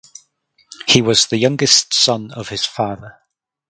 He was youngest son of his father.